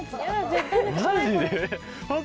マジで。